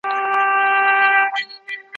خیالي ځوانان راباندي مري خونکاره سومه